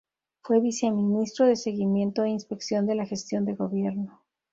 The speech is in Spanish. Fue Viceministro de Seguimiento e Inspección de la Gestión de Gobierno.